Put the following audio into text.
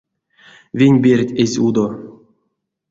Веньберть эзь удо.